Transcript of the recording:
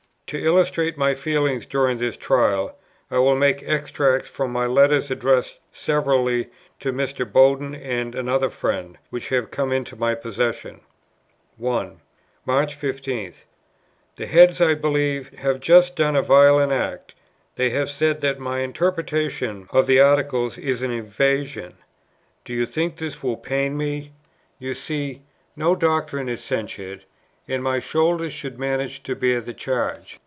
To illustrate my feelings during this trial, I will make extracts from my letters addressed severally to Mr. Bowden and another friend, which have come into my possession. 1. March 15. "The Heads, I believe, have just done a violent act: they have said that my interpretation of the Articles is an evasion. Do not think that this will pain me. You see, no doctrine is censured, and my shoulders shall manage to bear the charge.